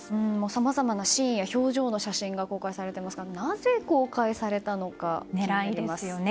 さまざまなシーンや表情の写真が公開されていますがなぜ公開されたのか気になります。